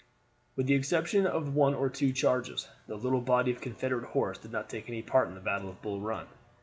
With the exception of one or two charges, the little body of Confederate horse did not take any part in the battle of Bull Run.